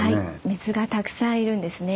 水がたくさん要るんですね。